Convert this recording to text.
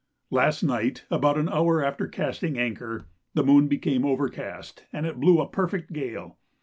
Last night, about an hour after casting anchor, the moon became overcast, and it blew a perfect gale.